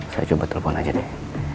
saya coba telepon aja deh